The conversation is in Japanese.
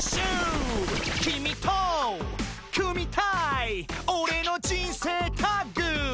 「君と組みたいオレの人生タッグ」